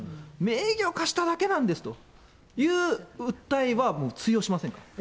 名義を貸しただけなんですという訴えは通用しませんか。